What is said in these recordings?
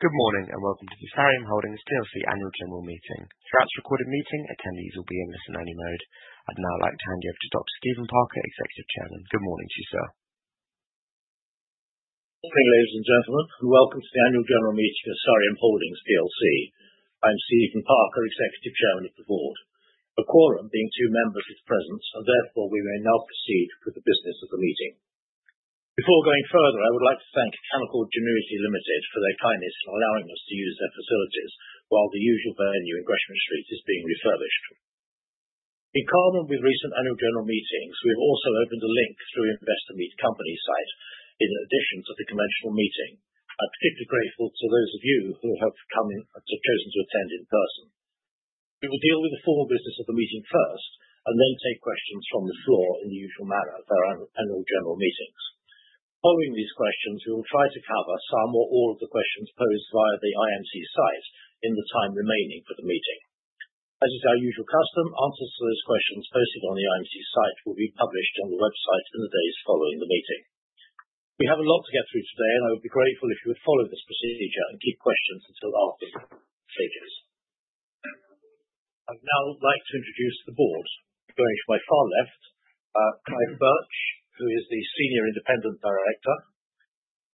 Good morning and welcome to the Sareum Holdings PLC Annual General Meeting. Throughout this recorded meeting, attendees will be in listen-only mode. I'd now like to hand you over to Dr. Stephen Parker, Executive Chairman. Good morning to you, sir. Good morning, ladies and gentlemen. Welcome to the Annual General Meeting of Sareum Holdings PLC. I'm Stephen Parker, Executive Chairman of the Board. A quorum being two members at present, and therefore we may now proceed with the business of the meeting. Before going further, I would like to thank Canaccord Genuity Limited for their kindness in allowing us to use their facilities while the usual venue in Gresham Street is being refurbished. In common with recent Annual General Meetings, we have also opened a link through Investor Meet Company site in addition to the conventional meeting. I'm particularly grateful to those of you who have chosen to attend in person. We will deal with the formal business of the meeting first and then take questions from the floor in the usual manner of our Annual General Meetings. Following these questions, we will try to cover some or all of the questions posed via the IMC site in the time remaining for the meeting. As is our usual custom, answers to those questions posted on the IMC site will be published on the website in the days following the meeting. We have a lot to get through today, and I would be grateful if you would follow this procedure and keep questions until after the stages. I'd now like to introduce the Board. Going to my far left, Clive Birch, who is the Senior Independent Director.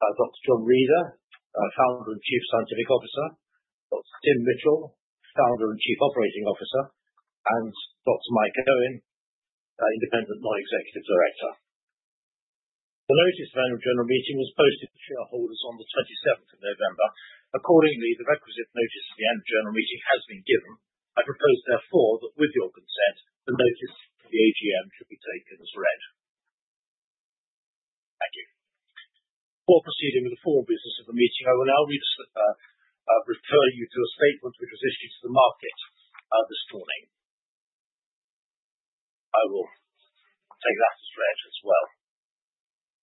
Dr. John Reader, Founder and Chief Scientific Officer. Dr. Tim Mitchell, Founder and Chief Operating Officer. And Dr. Michael Owen, Independent Non-Executive Director. The notice of Annual General Meeting was posted to shareholders on the 27th of November. Accordingly, the requisite notice of the Annual General Meeting has been given. I propose therefore that with your consent, the notice to the AGM should be taken as read. Thank you. Before proceeding with the formal business of the meeting, I will now refer you to a statement which was issued to the market this morning. I will take that as read as well.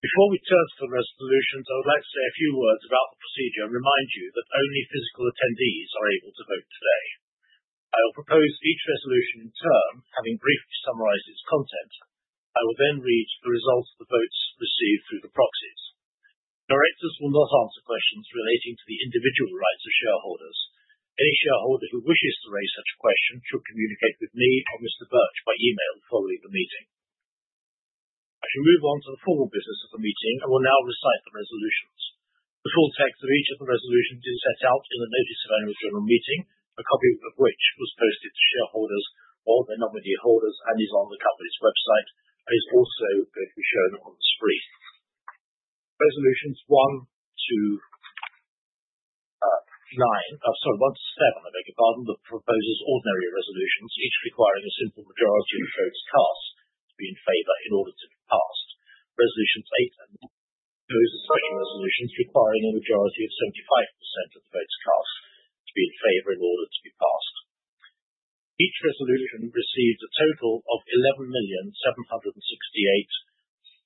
Before we turn to the resolutions, I would like to say a few words about the procedure and remind you that only physical attendees are able to vote today. I will propose each resolution in turn, having briefly summarized its content. I will then read the results of the votes received through the proxies. Directors will not answer questions relating to the individual rights of shareholders. Any shareholder who wishes to raise such a question should communicate with me or Mr. Birch by email following the meeting. I shall move on to the formal business of the meeting and will now recite the resolutions. The full text of each of the resolutions is set out in the notice of Annual General Meeting, a copy of which was posted to shareholders or their nominee holders and is on the company's website and is also going to be shown on the screen. Resolutions 1 to 9, sorry, 1 to 7, I beg your pardon, the proposers' ordinary resolutions, each requiring a simple majority of the votes cast to be in favour in order to be passed. Resolutions 8 and 9 pose special resolutions requiring a majority of 75% of the votes cast to be in favour in order to be passed. Each resolution received a total of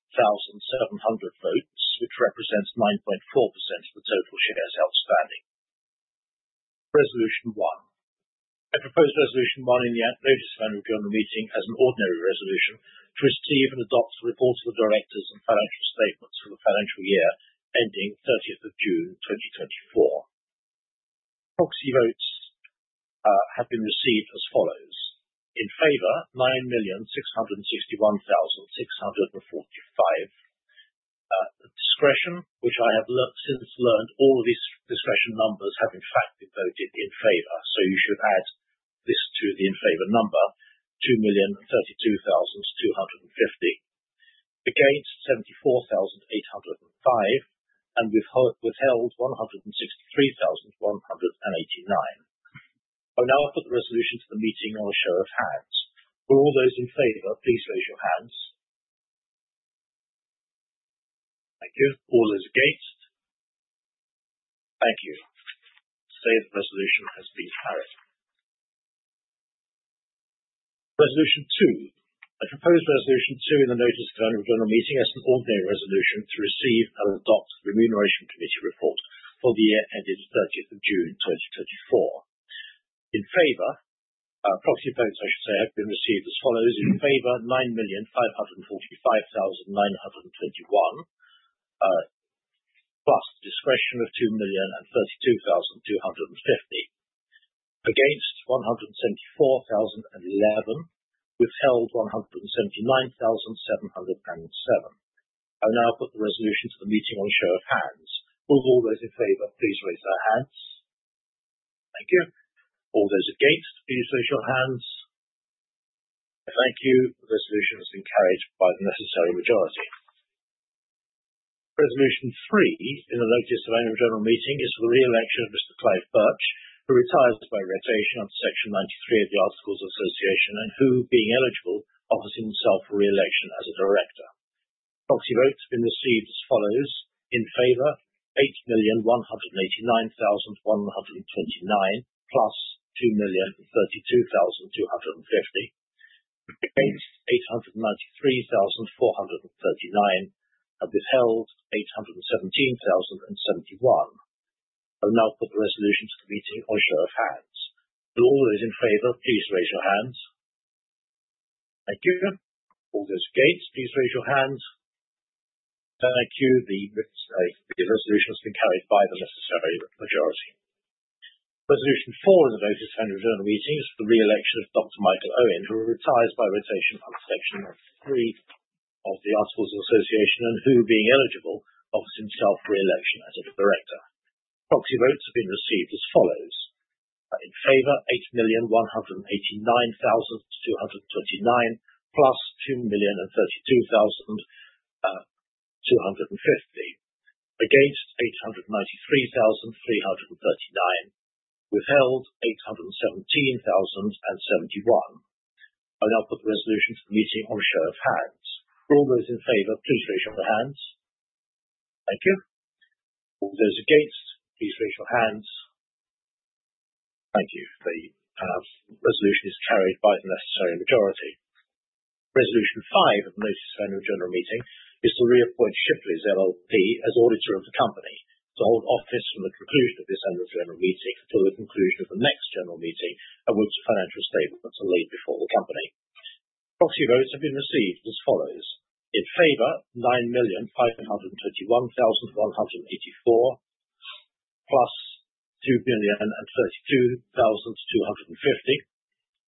11,768,700 votes, which represents 9.4% of the total shares outstanding. Resolution 1. I propose Resolution 1 in the notice of Annual General Meeting as an ordinary resolution to receive and adopt the reports of the directors and financial statements for the financial year ending 30th of June 2024. Proxy votes have been received as follows: in favour, 9,661,645, discretion, which I have since learned all of these discretion numbers have in fact been voted in favour, so you should add this to the in favour number, 2,032,250, against, 74,805, and withheld, 163,189. I will now put the resolution to the meeting on a show of hands. Will all those in favour please raise your hands? Thank you. All those against? Thank you. I say the resolution has been carried. Resolution 2. I propose Resolution 2 in the notice of Annual General Meeting as an ordinary resolution to receive and adopt the Remuneration Committee report for the year ending 30th of June 2024. In favor (proxy votes, I should say) have been received as follows: in favor, 9,545,921; plus discretion of 2,032,250; against, 174,011; withheld, 179,707. I will now put the resolution to the meeting on a show of hands. Will all those in favor please raise their hands? Thank you. All those against, please raise your hands. Thank you. The resolution has been carried by the necessary majority. Resolution 3 in the notice of Annual General Meeting is for the re-election of Mr. Clive Birch, who retires by rotation under Section 93 of the Articles of Association and who, being eligible, offers himself for re-election as a director. Proxy votes have been received as follows: in favor, 8,189,129; plus 2,032,250; against, 893,439; and withheld, 817,071. I will now put the resolution to the meeting on a show of hands. Will all those in favor please raise your hands? Thank you. All those against, please raise your hands. Thank you. The resolution has been carried by the necessary majority. Resolution 4 in the notice of Annual General Meeting is for the re-election of Dr. Michael Owen, who retires by rotation under Section 3 of the Articles of Association and who, being eligible, offers himself for re-election as a director. Proxy votes have been received as follows: in favor, 8,189,229; plus 2,032,250; against, 893,339; withheld, 817,071. I will now put the resolution to the meeting on a show of hands. Will all those in favor please raise your hands? Thank you. All those against, please raise your hands. Thank you. The resolution is carried by the necessary majority. Resolution 5 of the notice of Annual General Meeting is to reappoint Shipleys LLP as auditor of the company to hold office from the conclusion of this Annual General Meeting until the conclusion of the next General Meeting when financial statements are laid before the company. Proxy votes have been received as follows: in favour, 9,531,184; plus 2,032,250;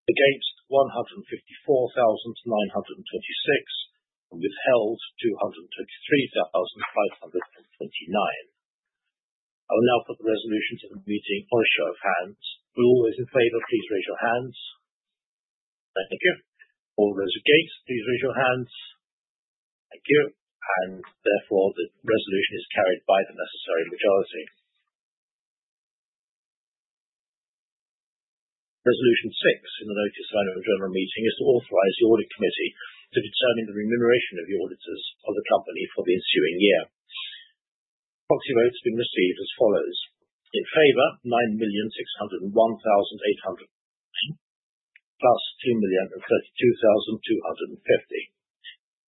against, 154,926; and withheld, 233,529. I will now put the resolution to the meeting on a show of hands. Will all those in favour please raise your hands? Thank you. All those against, please raise your hands. Thank you. Therefore, the resolution is carried by the necessary majority. Resolution 6 in the notice of Annual General Meeting is to authorize the audit committee to determine the remuneration of the auditors of the company for the ensuing year. Proxy votes have been received as follows: in favor, 9,601,809, plus 2,032,250,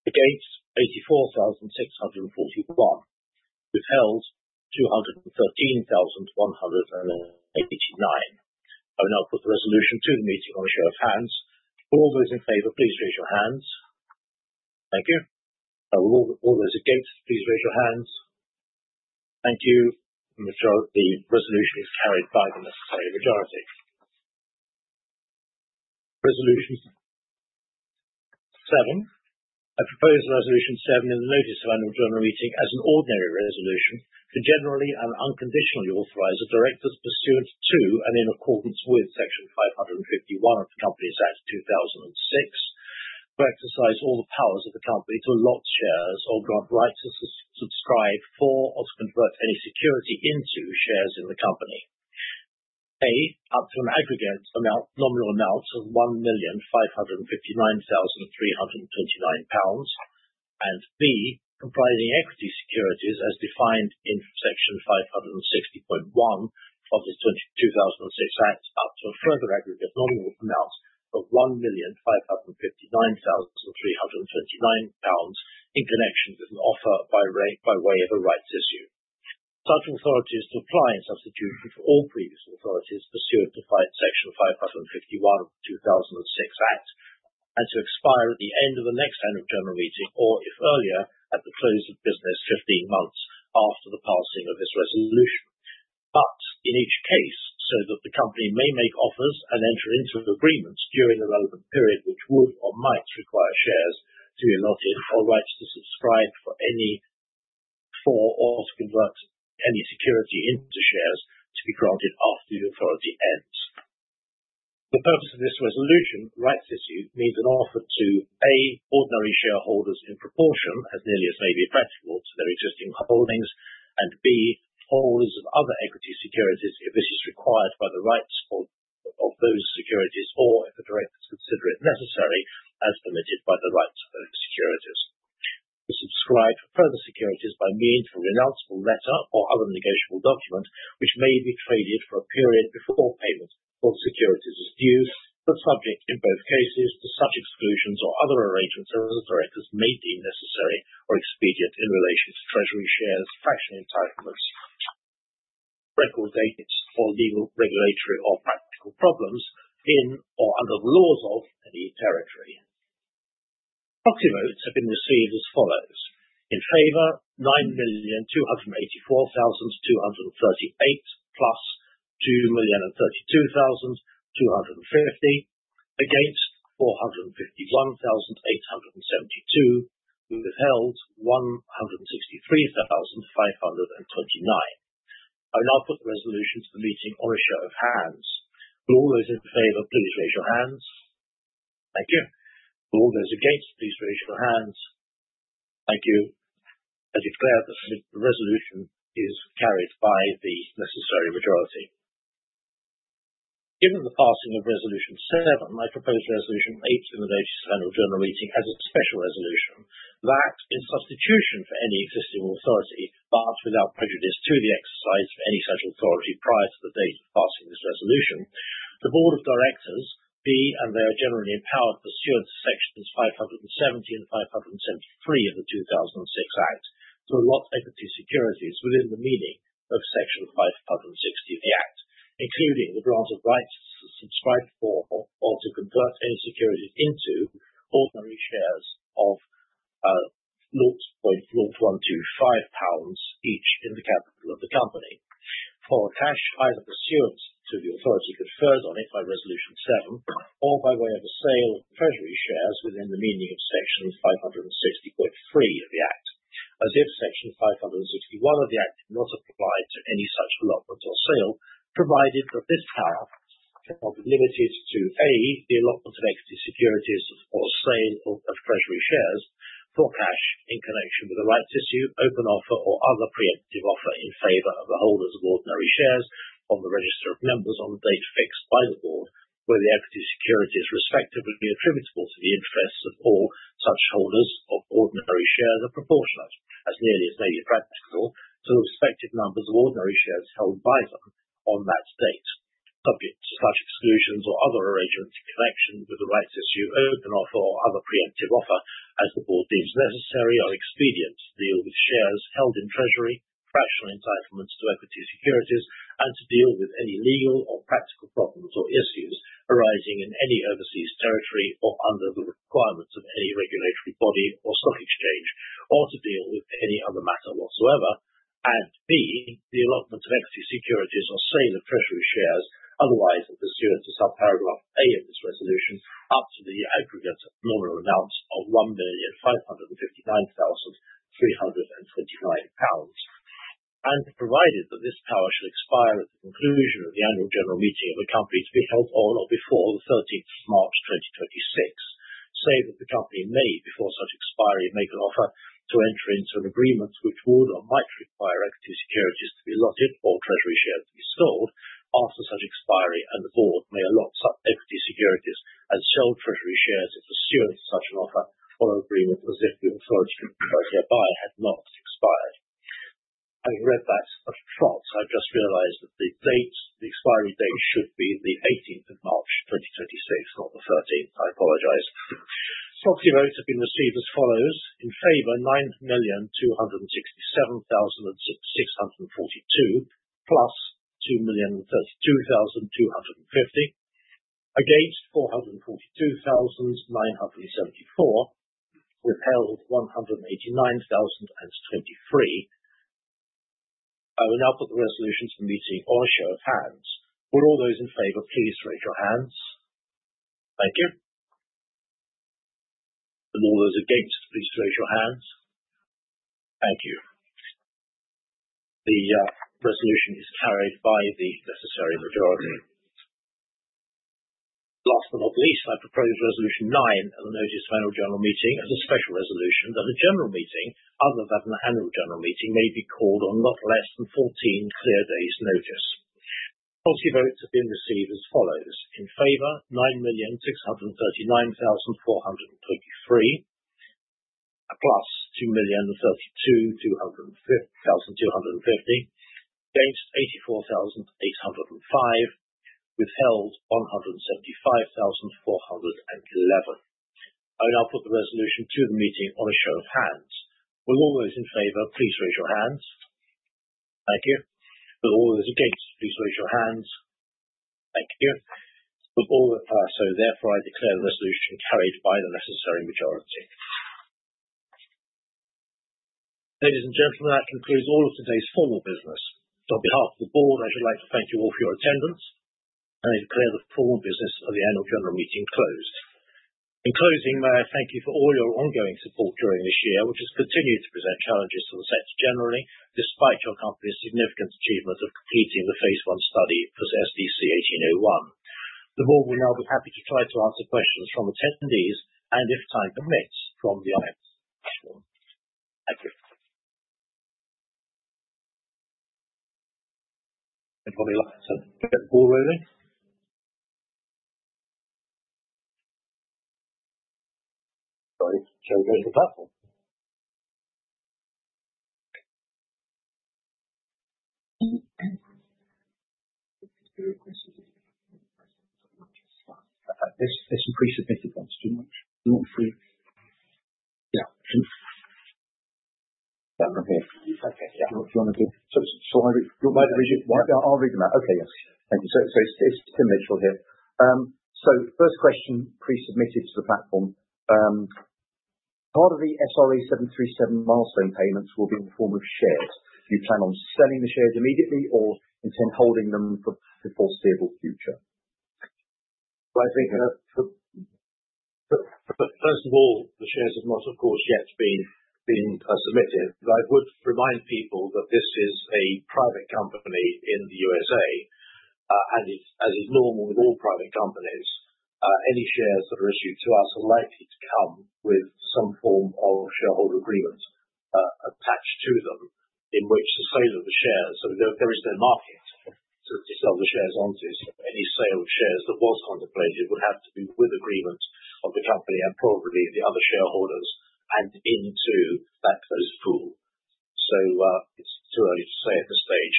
against, 84,641, withheld, 213,189. I will now put the resolution to the meeting on a show of hands. Will all those in favor please raise your hands? Thank you. All those against, please raise your hands. Thank you. The resolution is carried by the necessary majority. Resolution 7. I propose Resolution 7 in the notice of Annual General Meeting as an ordinary resolution to generally and unconditionally authorize directors pursuant to and in accordance with Section 551 of the Companies Act 2006 to exercise all the powers of the company to allot shares or grant rights to subscribe for or to convert any security into shares in the company: a) up to an aggregate nominal amount of GBP 1,559,329 and b) comprising equity securities as defined in Section 560(1) of the 2006 Act up to a further aggregate nominal amount of 1,559,329 pounds in connection with an offer by way of a rights issue. Such authority is to apply in substitution for all previous authorities pursuant to Section 551 of the 2006 Act and to expire at the end of the next Annual General Meeting or, if earlier, at the close of business 15 months after the passing of this resolution, but in each case so that the company may make offers and enter into agreements during the relevant period which would or might require shares to be allotted or rights to subscribe for or to convert any security into shares to be granted after the authority ends. The purpose of this resolution, rights issue, means an offer to a) ordinary shareholders in proportion, as nearly as may be practical, to their existing holdings and b) holders of other equity securities if this is required by the rights of those securities or if the directors consider it necessary, as permitted by the rights of those securities. To subscribe for further securities by means of a renounceable letter or other negotiable document which may be traded for a period before payment for the securities is due, but subject in both cases to such exclusions or other arrangements as the directors may deem necessary or expedient in relation to treasury shares, fractional entitlements, record dates, or legal, regulatory, or practical problems in or under the laws of any territory. Proxy votes have been received as follows: in favor, 9,284,238; plus 2,032,250; against, 451,872; withheld, 163,529. I will now put the resolution to the meeting on a show of hands. Will all those in favor please raise your hands? Thank you. Will all those against please raise your hands? Thank you. I declare that the resolution is carried by the necessary majority. Given the passing of Resolution 7, I propose Resolution 8 in the notice of Annual General Meeting as a special resolution that, in substitution for any existing authority, but without prejudice to the exercise of any such authority prior to the date of passing this resolution, the Board of Directors be and they are generally empowered to pursue under Sections 570 and 573 of the 2006 Act to allot equity securities within the meaning of Section 560 of the Act, including the grant of rights to subscribe for or to convert any securities into ordinary shares of 0.125 pounds each in the capital of the company. For cash, either pursuant to the authority conferred on it by Resolution 7 or by way of a sale of treasury shares within the meaning of Section 560.3 of the Act, as if Section 561 of the Act did not apply to any such allotment or sale, provided that this power shall be limited to a) the allotment of equity securities or sale of treasury shares for cash in connection with a rights issue, open offer, or other pre-emptive offer in favour of the holders of ordinary shares on the register of members on the date fixed by the Board where the equity securities respectively attributable to the interests of all such holders of ordinary shares are proportional as nearly as may be practical to the respective numbers of ordinary shares held by them on that date, subject to such exclusions or other arrangements in connection with the rights issue, open offer, or other pre-emptive offer as the Board deems necessary or expedient to deal with shares held in treasury, fractional entitlements to equity securities, and to deal with any legal or practical problems or issues arising in any overseas territory or under the requirements of any regulatory body or stock exchange, or to deal with any other matter whatsoever; and b) the allotment of equity securities or sale of treasury shares otherwise than pursuant to subparagraph a) of this resolution up to the aggregate nominal amount of 1,559,329 pounds; And provided that this power shall expire at the conclusion of the Annual General Meeting of a company to be held on or before the 30th of March 2026, say that the company may, before such expiry, make an offer to enter into an agreement which would or might require equity securities to be allotted or treasury shares to be sold after such expiry, and the Board may allot such equity securities and sell treasury shares if pursuant to such an offer or agreement as if the authority conferred hereby had not expired. I read that as a fault. I've just realized that the expiry date should be the 18th of March 2026, not the 13th. I apologize. Proxy votes have been received as follows: in favor, 9,267,642; plus 2,032,250; against, 442,974; withheld, 189,023. I will now put the resolution to the meeting on a show of hands. Will all those in favor please raise your hands? Thank you. And all those against, please raise your hands. Thank you. The resolution is carried by the necessary majority. Last but not least, I propose Resolution 9 of the notice of Annual General Meeting as a special resolution that a general meeting other than the Annual General Meeting may be called on not less than 14 clear days' notice. Proxy votes have been received as follows: in favor, 9,639,423; plus 2,032,250; against, 84,805; withheld, 175,411. I will now put the resolution to the meeting on a show of hands. Will all those in favor please raise your hands? Thank you. Will all those against please raise your hands? Thank you. So therefore, I declare the resolution carried by the necessary majority. Ladies and gentlemen, that concludes all of today's formal business. On behalf of the Board, I should like to thank you all for your attendance, and I declare the formal business of the Annual General Meeting closed. In closing, may I thank you for all your ongoing support during this year, which has continued to present challenges to the sector generally, despite your company's significant achievement of completing the phase I study for SDC-1801. The Board will now be happy to try to answer questions from attendees and, if time permits, from the audience. Thank you. Anybody like to get the ball rolling? Sorry, Joe goes to the platform. This is pre-submitted. Yeah. That one here. Okay. Yeah. Do you want to do it? So I'll read them out. Okay. Yes. Thank you. So it's Tim Mitchell here. So first question pre-submitted to the platform. Part of the SRA737 milestone payments will be in the form of shares. Do you plan on selling the shares immediately or intend holding them for a foreseeable future? Well, I think, first of all, the shares have not, of course, yet been submitted. I would remind people that this is a private company in the USA, and as is normal with all private companies, any shares that are issued to us are likely to come with some form of shareholder agreement attached to them in which the sale of the shares, so there is no market to sell the shares onto, so any sale of shares that was contemplated would have to be with agreement of the company and probably the other shareholders and into that closed pool. So it's too early to say at this stage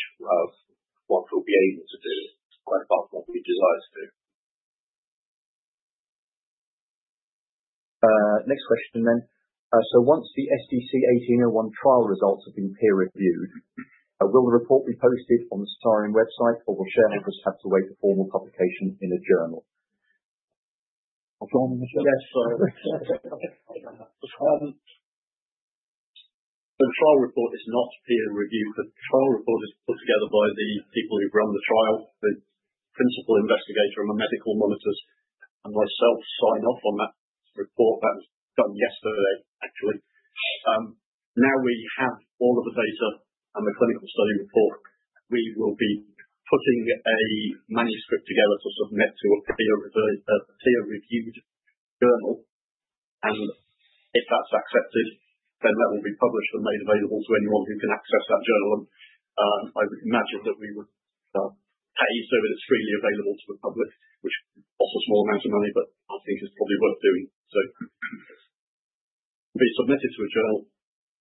what we'll be able to do, quite a bit of what we desire to do. Next question then. So once the SDC-1801 trial results have been peer-reviewed, will the report be posted on the Sareum website, or will shareholders have to wait for formal publication in a journal? Yes. The trial report is not peer-reviewed. The trial report is put together by the people who've run the trial, the principal investigator and the medical monitors, and myself sign off on that report. That was done yesterday, actually. Now we have all of the data and the clinical study report. We will be putting a manuscript together to submit to a peer-reviewed journal, and if that's accepted, then that will be published and made available to anyone who can access that journal. And I would imagine that we would pay so that it's freely available to the public, which costs a small amount of money, but I think is probably worth doing. So it'll be submitted to a journal.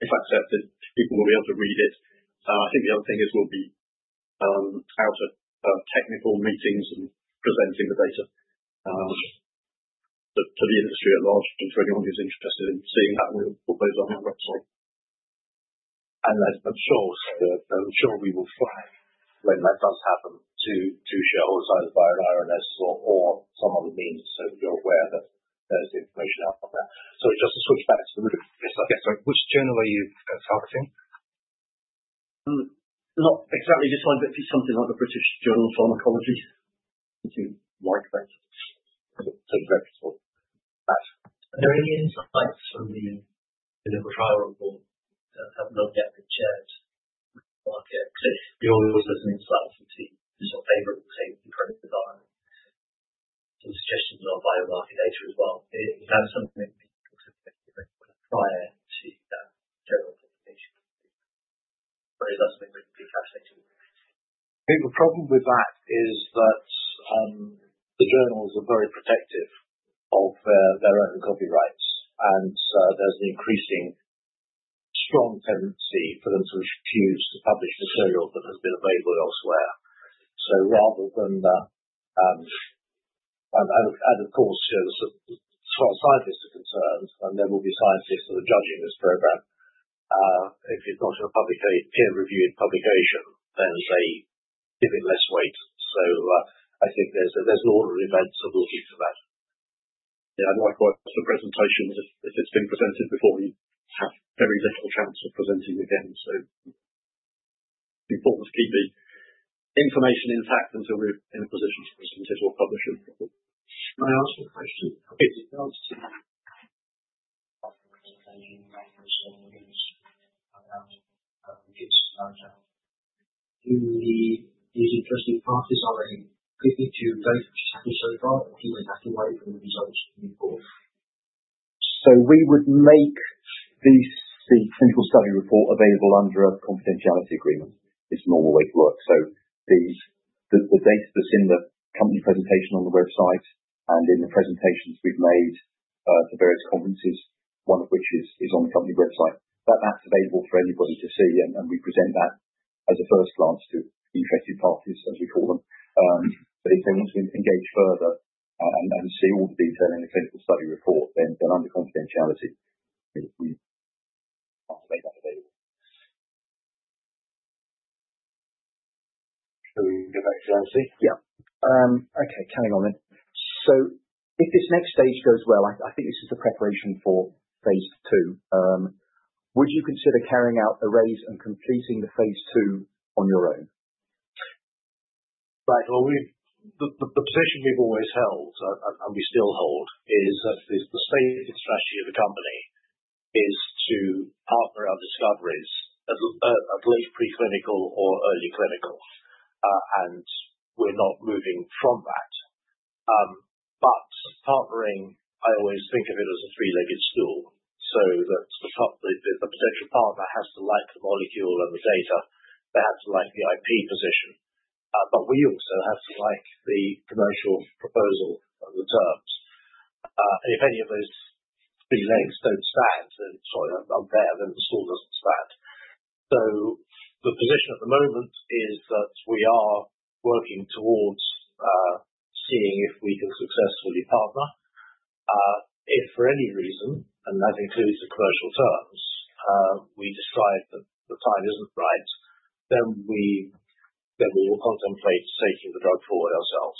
If accepted, people will be able to read it. I think the other thing is we'll be out at technical meetings and presenting the data to the industry at large and to anyone who's interested in seeing that. We'll put those on our website. And I'm sure we will flag when that does happen to shareholders either via an RNS or some other means so that you're aware that there's information out there. So just to switch back to the, yes, I get it. Which journal are you targeting? Not exactly this one, but something like the British Journal of Pharmacology. Like that. Take a break before that. Are there any insights from the clinical trial report that have not yet been shared with the market? Because we always have some insights into sort of favorable things in clinical trials. Some suggestions are biomarker data as well. Is that something that you're considering prior to that general publication? Or is that something that will be capsulated? The problem with that is that the journals are very protective of their own copyrights, and there's an increasingly strong tendency for them to refuse to publish material that has been available elsewhere. So rather than, and of course, scientists are concerned, and there will be scientists that are judging this program. If it's not a peer-reviewed publication, then they give it less weight. So I think there's an order of events of looking for that. Likewise, the presentation, if it's been presented before, you have very little chance of presenting it again. So it's important to keep the information intact until we're in a position to present it or publish it. Can I ask a question? Is it up to the management or someone else? I don't think it's known to us. Do the interested parties already have access to data which has been so far, or do they have to wait for the results to be published? So we would make the clinical study report available under a confidentiality agreement. It's the normal way to work. So the data that's in the company presentation on the website and in the presentations we've made to various conferences, one of which is on the company website, that's available for anybody to see, and we present that as a first glance to interested parties, as we call them. But if they want to engage further and see all the detail in the clinical study report, then under confidentiality, we must make that available. Shall we go back to JC? Yeah. Okay. Carry on then. So if this next stage goes well, I think this is the preparation for phase II. Would you consider carrying out the raise and completing the phase II on your own? Right. Well, the position we've always held, and we still hold, is that the stated strategy of the company is to partner our discoveries at late preclinical or early clinical, and we're not moving from that. But partnering, I always think of it as a three-legged stool, so that the potential partner has to like the molecule and the data. They have to like the IP position, but we also have to like the commercial proposal and the terms. And if any of those three legs don't stand, then sorry, they're not there, then the stool doesn't stand. So the position at the moment is that we are working towards seeing if we can successfully partner. If for any reason, and that includes the commercial terms, we decide that the time isn't right, then we will contemplate taking the drug forward ourselves.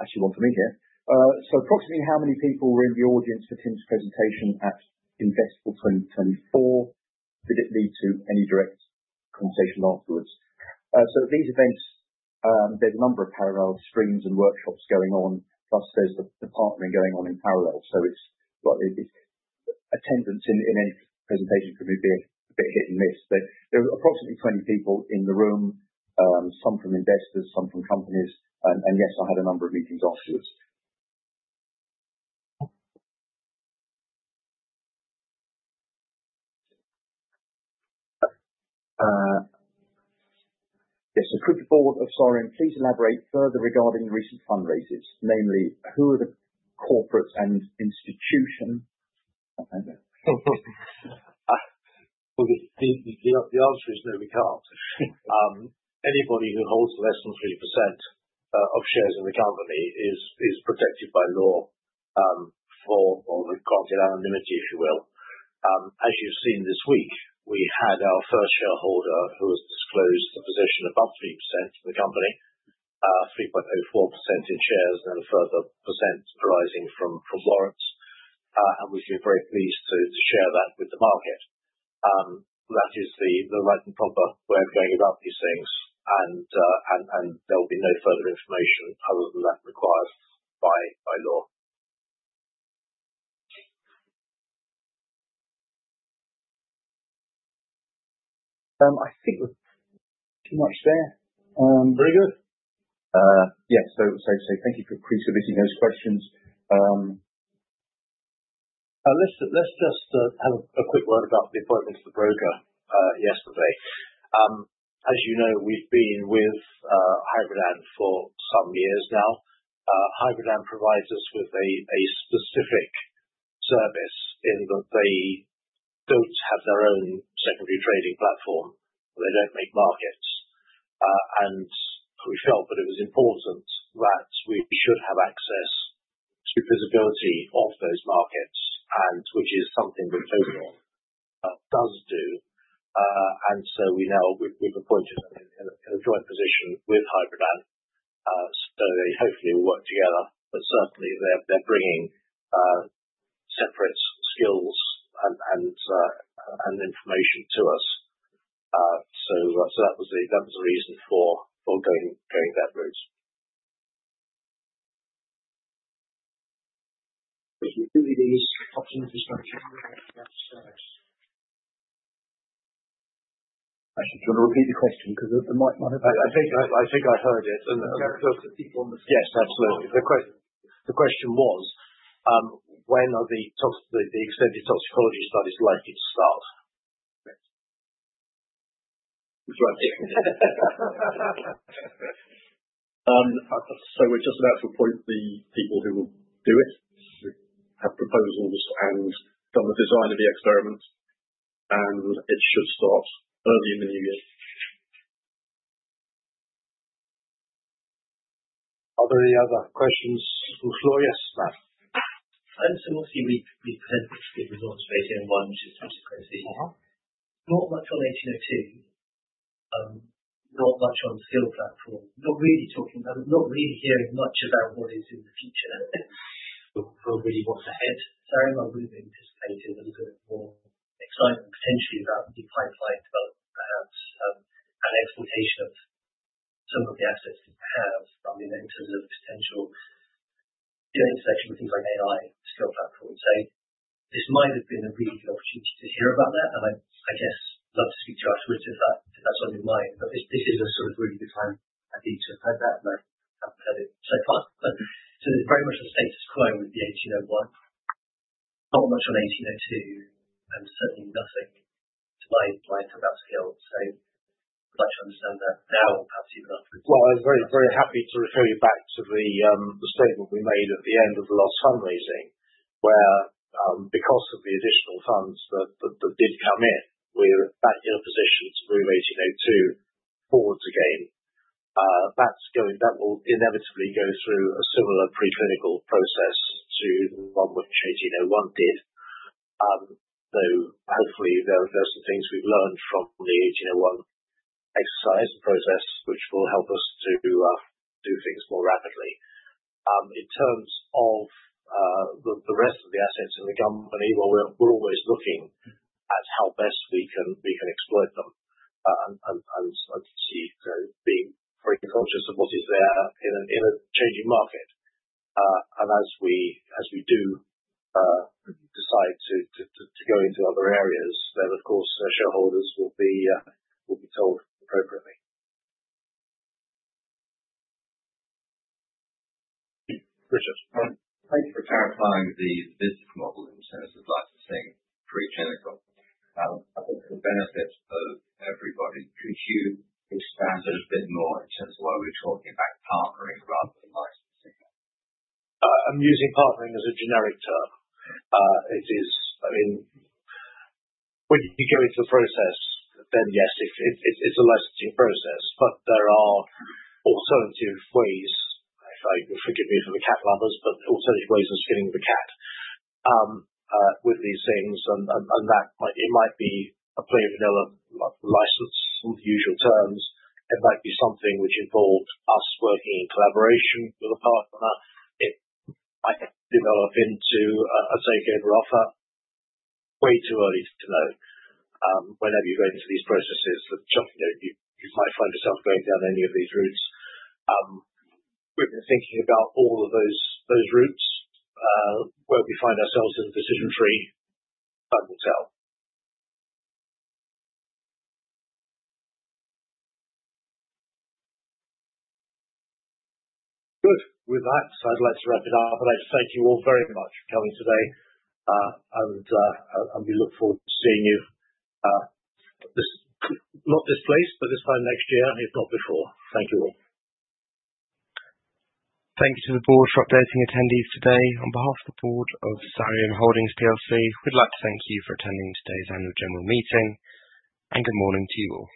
Actually, one for me here. So approximately how many people were in the audience for Tim's presentation at Investival 2024? Did it lead to any direct conversations afterwards? So at these events, there's a number of parallel streams and workshops going on, plus there's the partnering going on in parallel. So attendance in any presentation could be a bit hit and miss. There were approximately 20 people in the room, some from investors, some from companies, and yes, I had a number of meetings afterwards. Yes. So could the Board of Sareum please elaborate further regarding recent fundraisers, namely who are the corporate and institution? The answer is no, we can't. Anybody who holds less than 3% of shares in the company is protected by law for the granted anonymity, if you will. As you've seen this week, we had our first shareholder who has disclosed a position above 3% in the company, 3.04% in shares, and a further percent arising from warrants, and we feel very pleased to share that with the market. That is the right and proper way of going about these things, and there will be no further information other than that required by law. I think we're pretty much there. Very good. Yes, so thank you for pre-submitting those questions. Let's just have a quick word about the appointment of the broker yesterday. As you know, we've been with Hybridan for some years now. Hybridan provides us with a specific service in that they don't have their own secondary trading platform. They don't make markets. And we felt that it was important that we should have access to visibility of those markets, which is something that Cavendish does do. And so we know we've appointed them in a joint position with Hybridan, so they hopefully will work together. But certainly, they're bringing separate skills and information to us. So that was the reason for going that route. Do you think we need any structural infrastructure? Actually, do you want to repeat the question because it might not have been? I think I heard it. Yes, absolutely. The question was, when are the extended toxicology studies likely to start? So we're just about to appoint the people who will do it, have proposals, and done the design of the experiment, and it should start early in the new year. Are there any other questions from the floor? Yes, Matt. I'd like to say we've presented the results phase I to 2023. Not much on 1802, not much on the SKIL platform. Not really talking about it, not really hearing much about what is in the future. For really what's ahead, Sareum, I would have anticipated a little bit more excitement, potentially, about the pipeline development, perhaps, and exploitation of some of the assets that you have in terms of potential intersection with things like AI SKIL platforms. So this might have been a really good opportunity to hear about that, and I guess I'd love to speak to you afterwards if that's on your mind. But this is sort of really the time I need to have had that, and I haven't had it so far. So there's very much a status quo with the 1801, not much on 1802, and certainly nothing to my mind about SKIL. So, I'd like to understand that now, perhaps even afterwards. Well, I was very happy to refer you back to the statement we made at the end of the last fundraising, where because of the additional funds that did come in, we're back in a position to move 1802 forward again. That will inevitably go through a similar preclinical process to the one which 1801 did. So hopefully, there are some things we've learned from the 1801 exercise process, which will help us to do things more rapidly. In terms of the rest of the assets in the company, well, we're always looking at how best we can exploit them and we being very conscious of what is there in a changing market. And as we do decide to go into other areas, then, of course, shareholders will be told appropriately. Richard, thank you for clarifying the business model in terms of licensing preclinical. I think the benefit of everybody. Could you expand a little bit more in terms of why we're talking about partnering rather than licensing? I'm using partnering as a generic term. I mean, when you go into the process, then yes, it's a licensing process, but there are alternative ways. Forgive me for the cat lovers, but alternative ways of skinning the cat with these things, and it might be a plain vanilla license on the usual terms. It might be something which involved us working in collaboration with a partner. It might develop into a takeover offer. Way too early to know. Whenever you go into these processes, you might find yourself going down any of these routes. We've been thinking about all of those routes. Where we find ourselves in the decision tree, time will tell. Good. With that, I'd like to wrap it up, and I'd thank you all very much for coming today. And we look forward to seeing you not this place, but this time next year, if not before. Thank you all. Thank you to the board for updating attendees today. On behalf of the board of Sareum Holdings PLC, we'd like to thank you for attending today's annual general meeting. And good morning to you all.